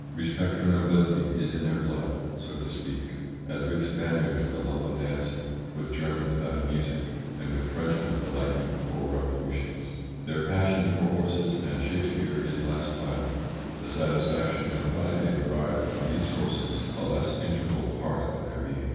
Respect for nobility is in their blood, so to speak, as with Spaniards the love of dancing, with Germans that of music, and with Frenchmen the liking for revolutions. Their passion for horses and Shakespeare is less violent, the satisfaction and pride they derive from these sources a less integral part of their being.